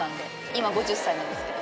今５０歳なんですけど。